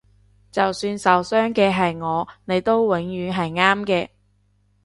就算受傷嘅係我你都永遠係啱嘅